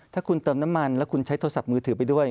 ถ้าคุณเติมน้ำมันแล้วคุณใช้โทรศัพท์มือถือไปด้วย